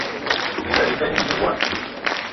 Bissa bi nda gnî binê ìbwal